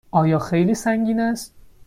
آیا خیلی سنگین است؟